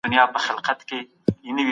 حکومتونه باید د خلګو خدمت وکړي.